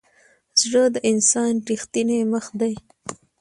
زړه د انسان ریښتینی مخ دی.